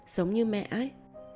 giống như mẹ ấy